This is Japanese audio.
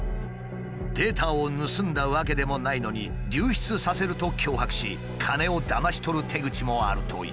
データを盗んだわけでもないのに「流出させる」と脅迫し金をだまし取る手口もあるという。